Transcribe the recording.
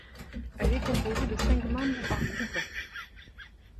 Elle est composée de cinq membres par groupe.